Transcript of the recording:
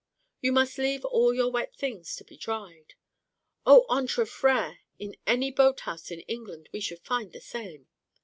'You must leave all your wet things to be dried.' 'O! entre frères! In any boat house in England we should find the same.